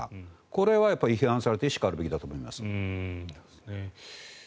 これは批判されてしかるべきだと思います。